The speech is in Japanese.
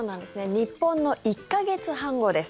日本の１か月半後です。